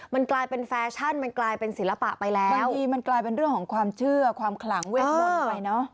มันกลายเป็นแฟชั่นมันกลายเป็นศิลปะไปแล้วบางทีมันกลายเป็นเรื่องของความเชื่อความขลังเวทมนต์ไปเนอะ